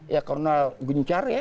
ya karena guncar ya